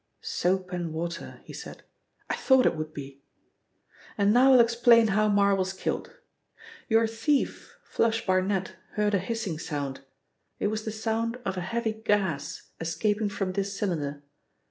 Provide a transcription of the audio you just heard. "Soap and water," he said; "I thought it would be. And now I'll explain how Marl was killed. Your thief, 'Flush' Barnet, heard a hissing sound. It was the sound of a heavy gas escaping from this cylinder.